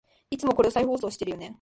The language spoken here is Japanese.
いつもこれ再放送してるよね